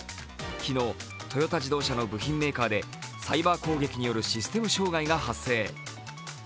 昨日トヨタ自動車の部品メーカーでサイバー攻撃によるシステム障害が発生。